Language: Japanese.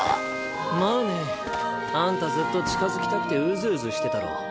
まあね。あんたずっと近づきたくてうずうずしてたろ。